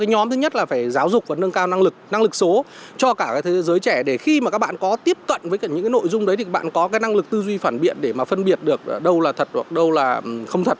nhóm thứ nhất là phải giáo dục và nâng cao năng lực năng lực số cho cả thế giới trẻ để khi mà các bạn có tiếp cận với những nội dung đấy thì bạn có năng lực tư duy phản biện để mà phân biệt được đâu là thật hoặc đâu là không thật